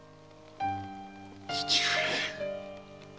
父上。